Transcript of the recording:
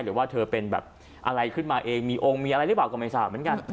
หรือว่าเธอเป็นแบบอะไรขึ้นมาเองมีองค์มีอะไรหรือเปล่าก็ไม่ทราบเหมือนกัน